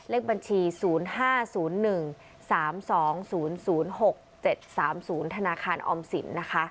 เลขบัญชี๐๕๐๑๓๒๐๐๖๗๓๐ธนาคารออมสินนะคะ